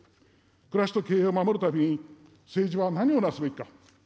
暮らしと経営を守るために政治は何をなすべきか。